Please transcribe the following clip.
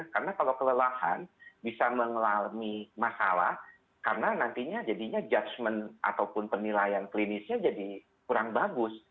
karena kalau kelelahan bisa mengalami masalah karena nantinya jadinya judgement ataupun penilaian klinisnya jadi kurang bagus